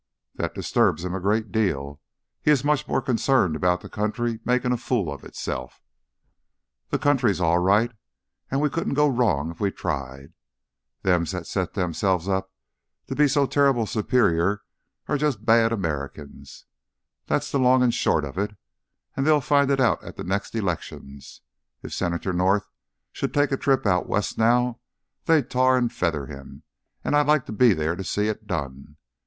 "That disturbs him a great deal. He is much more concerned about the country making a fool of itself." "This country's all right, and we couldn't go wrong if we tried. Them that sets themselves up to be so terrible superior are just bad Americans, that's the long and the short of it, and they'll find it out at the next elections. If Senator North should take a trip out West just now, they'd tar and feather him, and I'd like to be there to see it done.